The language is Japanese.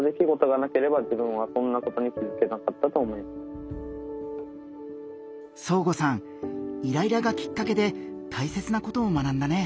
多分そーごさんイライラがきっかけで大切なことを学んだね。